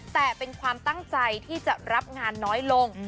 แต่เป็นความตั้งใจที่จะรับงานน้อยลง